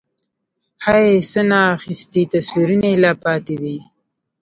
هَی؛ څه نا اخیستي تصویرونه یې لا پاتې دي